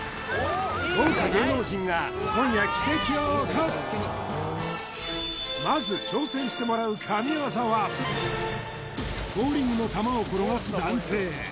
豪華芸能人が今夜奇跡を起こすまず挑戦してもらう神業はボウリングの球を転がす男性